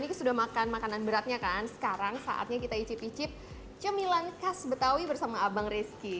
ini sudah makan makanan beratnya kan sekarang saatnya kita icip icip cemilan khas betawi bersama abang rizky